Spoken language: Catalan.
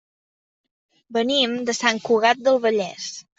Venim de Sant Cugat del Vallès.